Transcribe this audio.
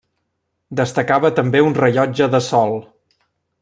Destacava també un rellotge de sol.